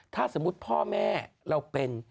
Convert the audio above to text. ถ้าสมมุติพ่อแม่เราเป็น